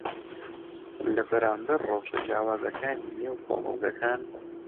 لەبەرامبەر ڕەوشە جیاوازەکانی نێو کۆمەڵگەکان